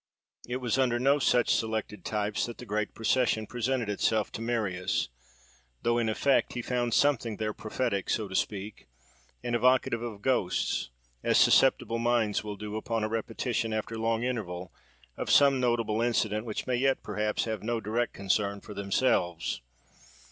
It was under no such selected types that the great procession presented itself to Marius; though, in effect, he found something there prophetic, so to speak, and evocative of ghosts, as susceptible minds will do, upon a repetition after long interval of some notable incident, which may yet perhaps have no direct concern for themselves.